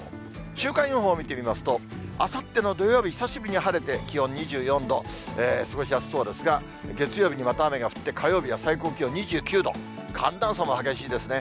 週間予報を見てみますと、あさっての土曜日、久しぶりに晴れて、気温２４度、過ごしやすそうですが、月曜日にまた雨が降って、火曜日は最高気温２９度、寒暖差が激しいですね。